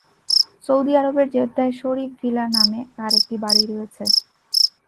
Saudi আরবের জেদ্দায় 'Sharif villa' নামে তার একটি বাড়ি রয়েছে।